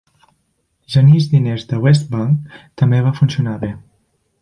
Janice diners de Westbank també va funcionar bé.